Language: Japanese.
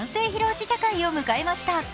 試写会を迎えました。